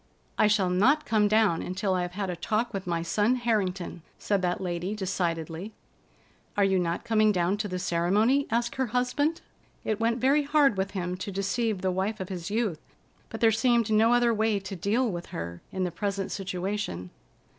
"I shall not come down until I have had a talk with my son Harrington," said that lady decidedly. "Are you not coming down to the ceremony?" asked her husband. It went very hard with him to deceive the wife of his youth, but there seemed no other way to deal with her in the present situation.